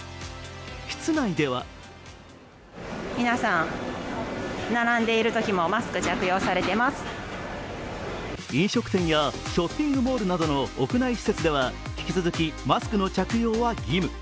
室内では飲食店やショッピングモールなどの屋内施設では引き続きマスクの着用は義務。